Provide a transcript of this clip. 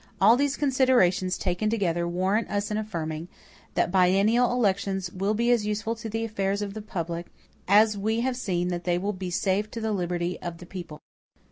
All these considerations taken together warrant us in affirming, that biennial elections will be as useful to the affairs of the public as we have seen that they will be safe to the liberty of the people.